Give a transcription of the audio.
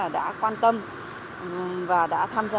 đã quan tâm và đã tham gia